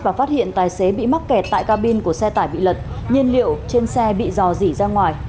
và phát hiện tài xế bị mắc kẹt tại cabin của xe tải bị lật nhiên liệu trên xe bị dò dỉ ra ngoài